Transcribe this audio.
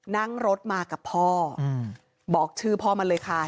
นั่งรถมากับพ่อบอกชื่อพ่อมาเลยค่ะ